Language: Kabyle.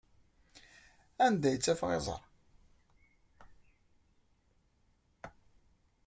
Anda ay ttafeɣ iẓra-a?